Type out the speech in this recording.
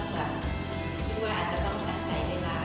คิดว่าอาจจะต้องอาศัยเวลา